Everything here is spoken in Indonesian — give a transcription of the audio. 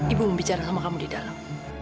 ibu mau bicara sama kamu di dalam